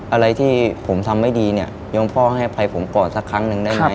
อะไรที่ผมทำไม่ดีเนี่ยยมพ่อให้อภัยผมก่อนสักครั้งหนึ่งได้ไหม